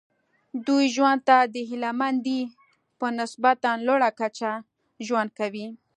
دوی ژوند ته د هیله مندۍ په نسبتا لوړه کچه کې ژوند کوي.